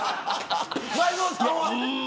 前園さんは。